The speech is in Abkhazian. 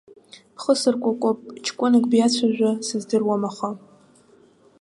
Бхы сыркәыкәып, ҷкәынак биацәажәа сыздыруам аха.